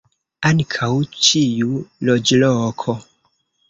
Ankaŭ ĉiu loĝloko.